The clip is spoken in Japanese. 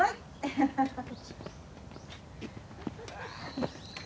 ハハハハハ。